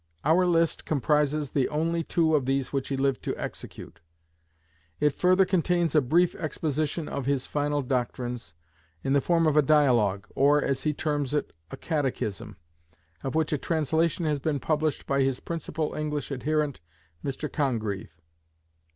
Our list comprises the only two of these which he lived to execute. It further contains a brief exposition of his final doctrines, in the form of a Dialogue, or, as he terms it, a Catechism, of which a translation has been published by his principal English adherent, Mr Congreve.